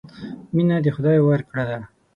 مینه د خدای ورکړه ده.